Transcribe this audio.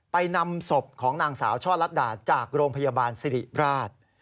นำศพของนางสาวช่อลัดดาจากโรงพยาบาลสิริราช